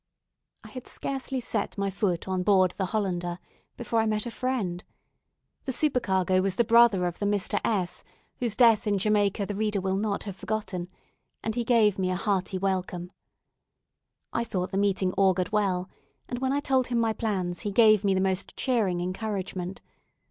I had scarcely set my foot on board the "Hollander," before I met a friend. The supercargo was the brother of the Mr. S , whose death in Jamaica the reader will not have forgotten, and he gave me a hearty welcome. I thought the meeting augured well, and when I told him my plans he gave me the most cheering encouragement.